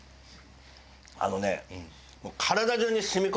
あのね。